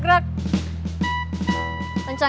gak usah bawa ini